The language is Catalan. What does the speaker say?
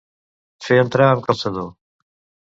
Fer entrar amb calçador.